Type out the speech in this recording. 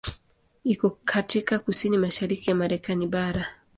Iko katika kusini mashariki ya Marekani bara.